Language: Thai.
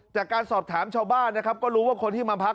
จากการสอบถามชาวบ้านนะครับก็รู้ว่าคนที่มาพัก